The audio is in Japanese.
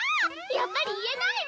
やっぱり言えないわ！